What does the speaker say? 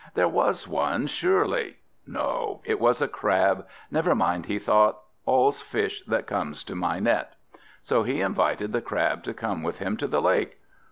There was one, surely! No, it was a Crab. Never mind, he thought; all's fish that comes to my net! So he invited the Crab to come with him to the lake.